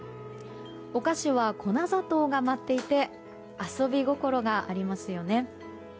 お菓子は粉砂糖が舞っていて遊び心がありますね。